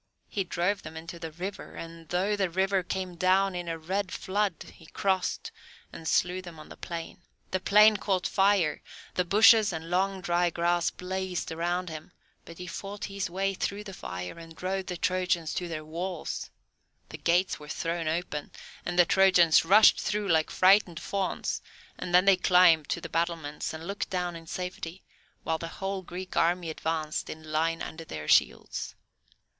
He drove them into the river, and, though the river came down in a red flood, he crossed, and slew them on the plain. The plain caught fire, the bushes and long dry grass blazed round him, but he fought his way through the fire, and drove the Trojans to their walls. The gates were thrown open, and the Trojans rushed through like frightened fawns, and then they climbed to the battlements, and looked down in safety, while the whole Greek army advanced in line under their shields.